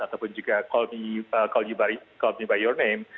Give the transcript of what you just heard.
ataupun juga call me by your name